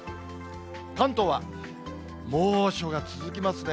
関東は猛暑が続きますね。